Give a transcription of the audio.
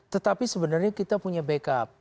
tetapi sebenarnya kita punya backup